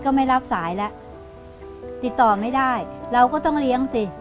ไม่รับสายแล้วติดต่อไม่ได้เราก็ต้องเลี้ยงสิ